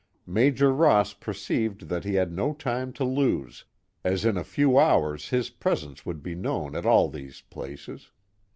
Major Ross perceived that he had no time to lose, as in a few hours his presence would be known at all these places.